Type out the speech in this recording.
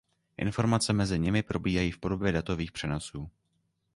Informace mezi nimi probíhají v podobě datových přenosů.